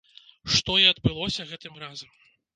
Што і адбылося гэтым разам.